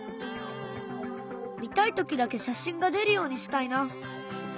見たい時だけ写真が出るようにしたいな。